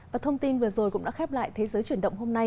và thông tin vừa rồi cũng đã khép lại thế giới chuyển động hôm nay